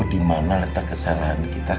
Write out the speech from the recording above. dimana letak kesalahan kita